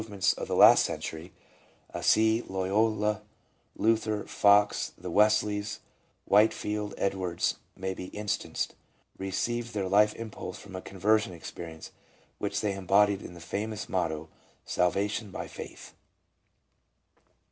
319 ments of the last century — Assisi, Loyola, Luther, Pox, the Wesleys, Whitefield, Edwards, may be instanced — received their life impulse from a conversion experience, which they embodied in the famous motto, " Salvation by faith."